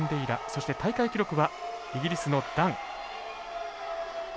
そして大会記録はイギリスのダン。